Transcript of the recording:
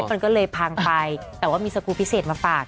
เล็บมันก็เลยพางไปแต่ว่ามีสกรูฟื้นพิเศษมาฝาก